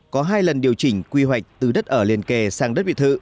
có hai lần điều chỉnh quy hoạch từ đất ở liền kề sang đất biệt thự